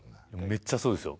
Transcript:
めっちゃそうですよ